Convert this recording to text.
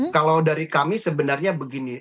kalau dari kami sebenarnya begini